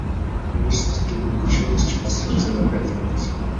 Хүмүүст төдийгүй хөшөөнд ч бас хувь заяа байдаг биз.